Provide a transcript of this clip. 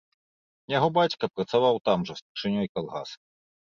Яго бацька працаваў там жа старшынёй калгаса.